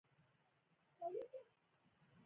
پکورې د کور بوی لري